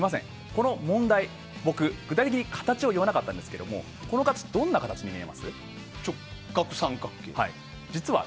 この問題、僕具体的には形を言わなかったんですがこの形、どんな形に見えます？